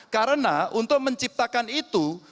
karena untuk menciptakan itu